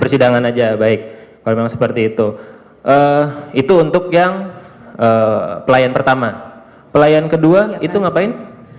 persidangan aja baik kalau memang seperti itu itu untuk yang pelayan pertama pelayan kedua itu ngapain